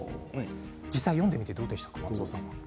実際読んでみてどうでしたか松尾さん